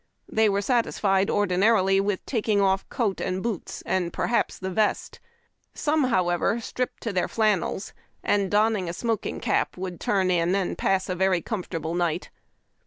They were satisfied, ordinarily, with taking off coat and boots, and perhaps the vest. Some, however, stripped to their flannels, and, donning a smoking cap, would turn in, and pass a very comfortable night.